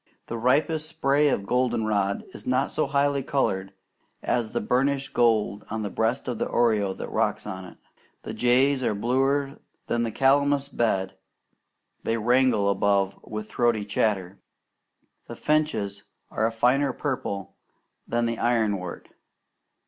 The ripest spray of goldenrod is not so highly coloured as the burnished gold on the breast of the oriole that rocks on it. The jays are bluer than the calamus bed they wrangle above with throaty chatter. The finches are a finer purple than the ironwort.